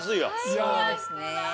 そうですね。